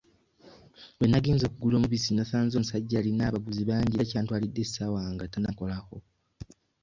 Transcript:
We nagenze okugula omubisi nasanze omusajja alina abaguzi bangi era kyantwalidde essaawa nga tannankolako.